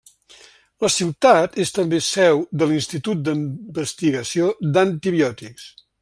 La ciutat és també seu de l'institut d'investigació d'antibiòtics.